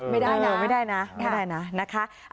ไม่ได้นะไม่ได้นะไม่ได้นะนะคะ